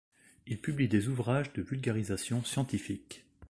Il publie des ouvrages de vulgarisation scientifique.